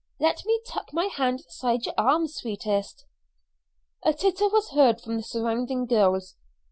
Let me tuck my hand inside your arm, sweetest." A titter was heard from the surrounding girls.